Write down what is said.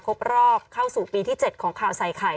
ครบรอบเข้าสู่ปีที่๗ของข่าวใส่ไข่